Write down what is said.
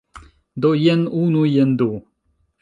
Do, jen unu jen du